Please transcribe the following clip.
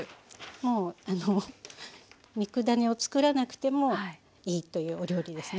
もう肉ダネを作らなくてもいいというお料理ですね。